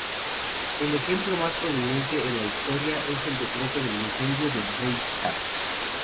El ejemplo más prominente en la historia es el decreto del incendio del Reichstag.